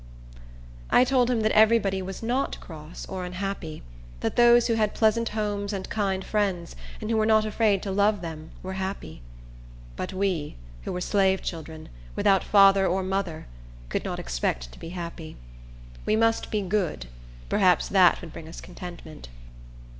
I told him that every body was not cross, or unhappy; that those who had pleasant homes, and kind friends, and who were not afraid to love them, were happy. But we, who were slave children, without father or mother, could not expect to be happy. We must be good; perhaps that would bring us contentment.